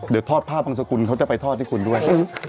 เดี๋ยวทอดผ้าบางสกุลเขาจะไปทอดให้คุณด้วย